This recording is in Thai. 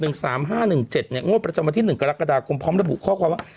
งวดประจำวันที่๑กรกฎาคมพร้อมระบุข้อความว่า